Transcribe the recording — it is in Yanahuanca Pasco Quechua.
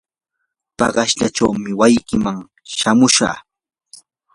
paqasyaychawmi wasikiman shamushaq.